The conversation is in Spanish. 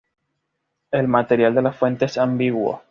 El material de la fuente es ambiguo.